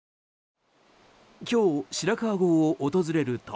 今日、白川郷を訪れると。